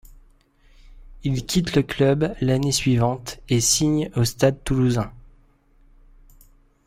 Il quitte le club l'année suivante et signe au Stade toulousain.